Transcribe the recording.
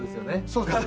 そうです。